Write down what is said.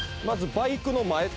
まずバイクの前。